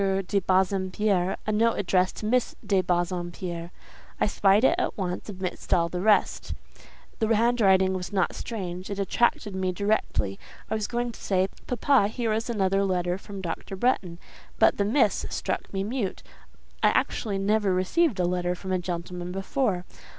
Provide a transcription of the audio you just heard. de Bassompierre, a note addressed to Miss de Bassompierre. I spied it at once, amidst all the rest; the handwriting was not strange; it attracted me directly. I was going to say, 'Papa, here is another letter from Dr. Bretton;' but the 'Miss' struck me mute. I actually never received a letter from a gentleman before.